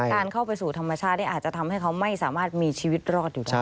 การเข้าไปสู่ธรรมชาติอาจจะทำให้เขาไม่สามารถมีชีวิตรอดอยู่ได้